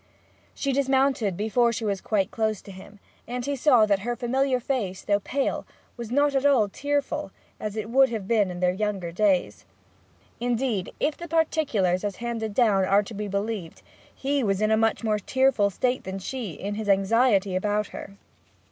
She dismounted before she was quite close to him, and he saw that her familiar face, though pale, was not at all tearful, as it would have been in their younger days. Indeed, if the particulars as handed down are to be believed, he was in a more tearful state than she, in his anxiety about her.